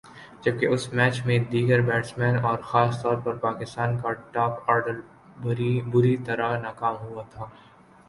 جبکہ اس میچ میں دیگر بیٹسمین اور خاص طور پر پاکستان کا ٹاپ آرڈر بری طرح ناکام ہوا تھا